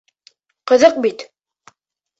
— Ҡыҙыҡ бит.